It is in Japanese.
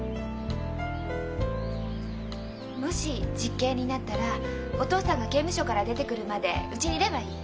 もし実刑になったらお父さんが刑務所から出てくるまでうちにいればいい。